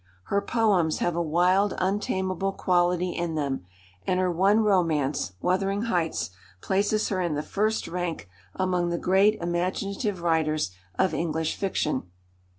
Her poems have a wild, untameable quality in them, and her one romance, Wuthering Heights, places her in the first rank among the great imaginative writers of English fiction.